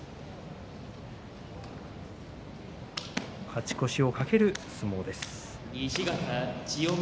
勝ち越しを懸ける相撲です。